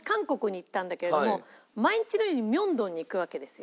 毎日のように明洞に行くわけですよ。